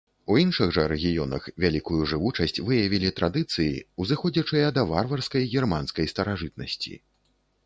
У іншых жа рэгіёнах вялікую жывучасць выявілі традыцыі, узыходзячыя да варварскай германскай старажытнасці.